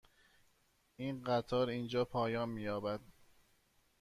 این قطار اینجا پایان می یابد.